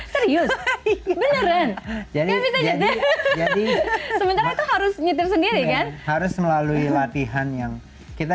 serius beneran jadi sebenarnya harus nyetir sendiri kan harus melalui latihan yang kita